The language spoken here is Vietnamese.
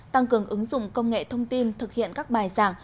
tăng cường ứng dụng công nghệ thông tin thực hiện các bài giảng